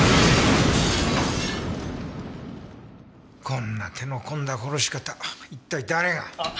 こんな手の込んだ殺し方一体誰が？